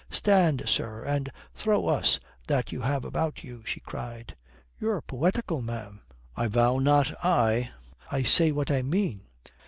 "'Stand, sir, and throw us that you have about you,'" she cried. "You're poetical, ma'am." "I vow not I. I say what I mean.